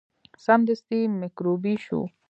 سمدستي میکروبي شو.